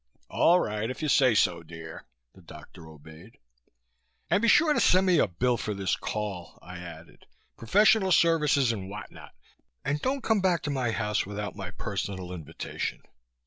"All right, if you say so, dear," the doctor obeyed. "And be sure to send me a bill for this call," I added. "Professional services and what not. And don't come back to my house without my personal invitation."